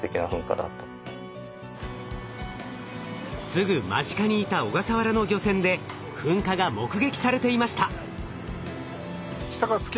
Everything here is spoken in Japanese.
すぐ間近にいた小笠原の漁船で噴火が目撃されていました。